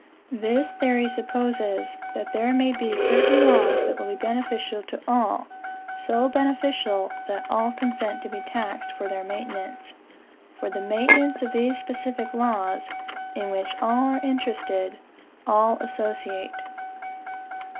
This theory supposes that there may be certain laws that will be beneficial to all, so beneficial that all consent to be taxed for their maintenance. For the maintenance of these specific laws, in which all are interested, all associate.